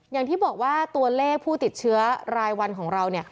อย่างที่บอกว่าตัวเลขผู้ติดเชื้อรายวันของเราเนี่ย